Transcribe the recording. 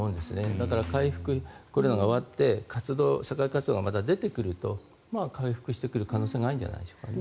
だから回復、コロナが終わって社会活動がまた出てくると回復してくる可能性はあるんじゃないですかね。